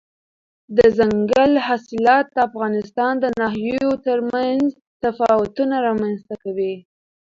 دځنګل حاصلات د افغانستان د ناحیو ترمنځ تفاوتونه رامنځته کوي.